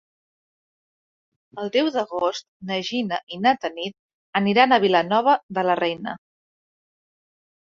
El deu d'agost na Gina i na Tanit aniran a Vilanova de la Reina.